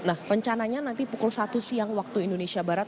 nah rencananya nanti pukul satu siang waktu indonesia barat